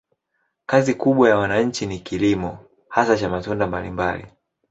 Kazi kubwa ya wananchi ni kilimo, hasa cha matunda mbalimbali.